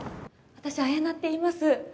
私あやなっていいます。